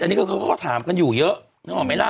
อันนี้ก็ข้อถามกันอยู่เยอะนึกออกไหมล่ะ